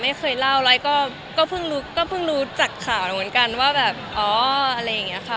ไม่เคยเล่าแล้วก็เพิ่งรู้ก็เพิ่งรู้จากข่าวเหมือนกันว่าแบบอ๋ออะไรอย่างนี้ค่ะ